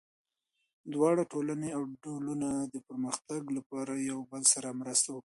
دواړه ټولني او ډلونه د پرمختګ لپاره باید یو بل سره مرسته وکړي.